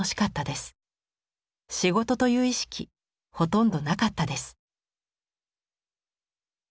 仕事という意識ほとんどなかったです」。